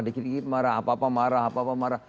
dikit dikit marah apa apa marah